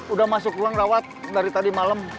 udah masuk ruang rawat dari tadi malam